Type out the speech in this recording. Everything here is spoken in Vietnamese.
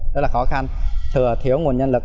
rất là khó khăn thừa thiếu nguồn nhân lực